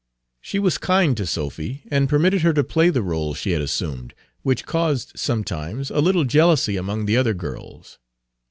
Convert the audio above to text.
She was kind to Sophy, and permitted her to play the rôle she had assumed, which caused sometimes a little jealousy among the other girls.